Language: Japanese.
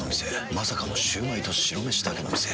まさかのシュウマイと白めしだけの店。